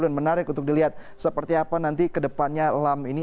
dan menarik untuk dilihat seperti apa nanti kedepannya lampard ini